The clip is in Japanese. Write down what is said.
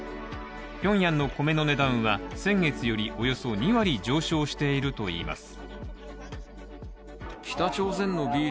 ピョンヤンの米の値段は先月よりおよそ２割上昇しているといいます。